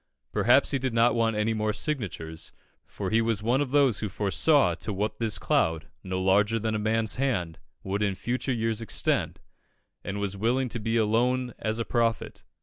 Perhaps he did not want any more signatures, for he was one of those who foresaw to what this cloud, no larger than a man's hand, would in future years extend, and was willing to be alone as a prophet.